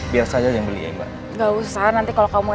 biasa aja yang beli ya mbak